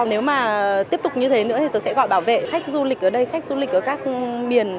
nếu mà tiếp tục như thế nữa thì tôi sẽ gọi bảo vệ khách du lịch ở đây khách du lịch ở các miền